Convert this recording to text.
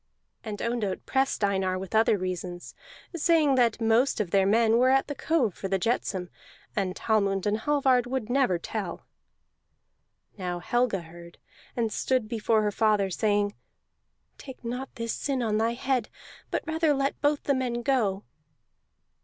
And Ondott pressed Einar with other reasons, saying that most of their men were at the cove for the jetsam, and Hallmund and Hallvard would never tell. Now Helga heard, and stood before her father, saying: "Take not this sin on thy head, but rather let both the men go."